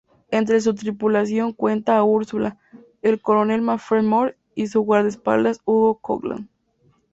Entre su tripulación cuenta a Ursula, el coronel Manfred Mors y su guardaespaldas Hugo Coghlan.